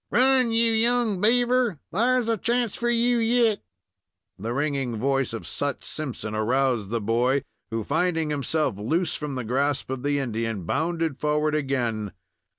"Run, you young beaver! Thar's a chance for you yet!" The ringing voice of Sut Simpson, aroused the boy, who, finding himself loose from the grasp of the Indian, bounded forward again.